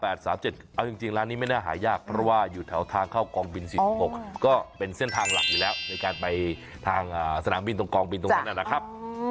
เอาจริงร้านนี้ไม่น่าหายากเพราะว่าอยู่แถวทางเข้ากองบิน๔๖ก็เป็นเส้นทางหลักอยู่แล้วในการไปทางสนามบินตรงกองบินตรงนั้นนะครับ